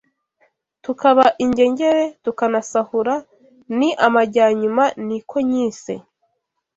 Tukaba ingegera tukanasahura Ni amajyanyuma niko nyise!